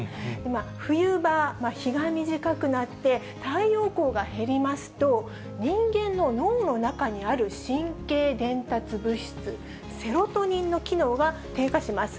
冬場、日が短くなって、太陽光が減りますと、人間の脳の中にある神経伝達物質、セロトニンの機能が低下します。